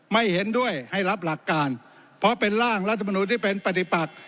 ไม่เห็นด้วยให้รับหลักการเพราะเป็นร่างรัฐมนุนที่เป็นปฏิปัก